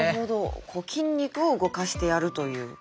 筋肉を動かしてやるという。